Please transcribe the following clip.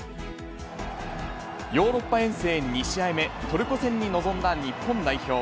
ヨーロッパ遠征２試合目、トルコ戦に臨んだ日本代表。